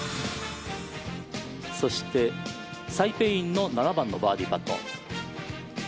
そしてサイ・ペイインの７番のバーディーパット。